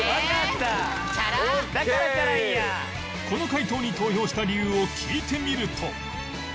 この回答に投票した理由を聞いてみると